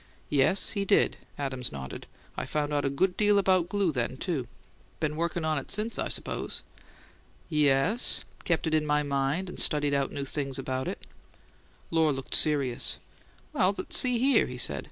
"Yes, he did." Adams nodded. "I found out a good deal about glue then, too." "Been workin' on it since, I suppose?" "Yes. Kept it in my mind and studied out new things about it." Lohr looked serious. "Well, but see here," he said.